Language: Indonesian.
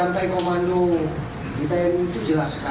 untuk membantu kami menangkakan masyarakat